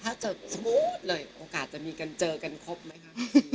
ถ้าเจอสมมุติเลยโอกาสจะมีกันเจอกันครบไหมคะ